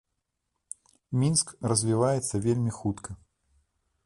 Мінск развіваецца вельмі хутка.